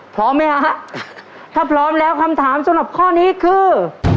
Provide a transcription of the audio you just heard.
พร้อมไหมฮะถ้าพร้อมแล้วคำถามสำหรับข้อนี้คือ